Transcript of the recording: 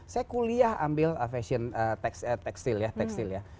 saya kuliah ambil fashion tekstil ya